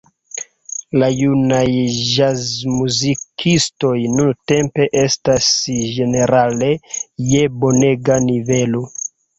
La junaj ĵazmuzikistoj nuntempe estas ĝenerale je bonega nivelo.